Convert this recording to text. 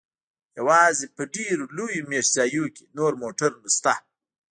یوازې په ډیرو لویو میشت ځایونو کې نور موټر شته